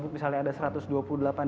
misalnya ada satu ratus dua puluh delapan